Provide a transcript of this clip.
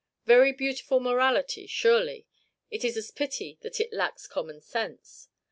Very beautiful morality, surely; it is a pity that it lacks common sense.